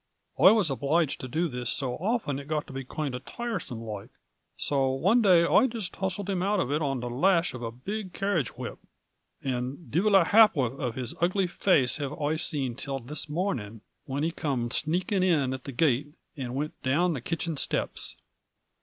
I was obloiged to do this so often it got to be koind of tiresome loike, so one day I jist hustled him out of it on the lash of a big carriage whip, and divil a hap'orth of his ugly face have I seen till this morning, whin he come sneakin' in at the gate and wint down the kitchen steps."